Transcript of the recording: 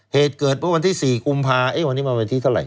เหตุเกิดเมื่อวันที่๔กุมภาวันนี้มาวันที่เท่าไห